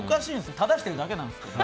正してるだけなんです。